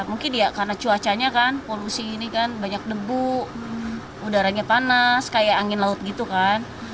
mungkin ya karena cuacanya kan polusi ini kan banyak debu udaranya panas kayak angin laut gitu kan